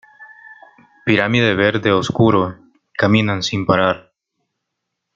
Pirámide Verde Oscuro: Caminan sin parar.